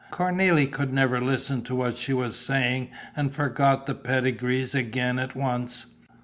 Cornélie could never listen to what she was saying and forgot the pedigrees again at once.